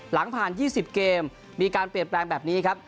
หลังผ่าน๒๐เกมมีการเปลี่ยนแปลงแบบนี้ครับ